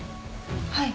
はい。